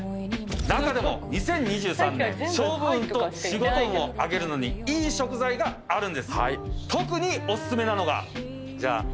中でも２０２３年勝負運と仕事運を上げるのにいい食材があるんです。